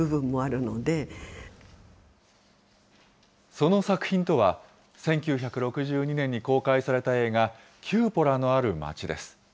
その作品とは、１９６２年に公開された映画、キューポラのある街です。